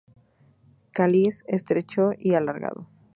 Cáliz estrecho y alargado.